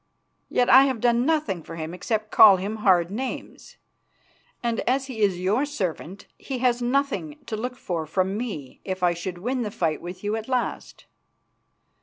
Yet I have done nothing for him except call him hard names; and as he is your servant he has nothing to look for from me if I should win the fight with you at last.